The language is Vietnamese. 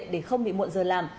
để không bị muộn giờ làm